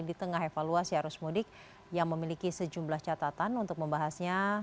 di tengah evaluasi arus mudik yang memiliki sejumlah catatan untuk membahasnya